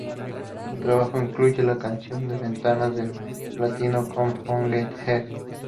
Su trabajo incluye la canción de ventas de platino "Come On Get Higher".